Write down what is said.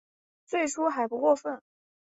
最初还不过分